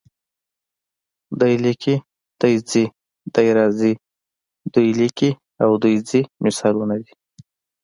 دی لیکي، دی ځي، دی راځي، دوی لیکي او دوی ځي مثالونه دي.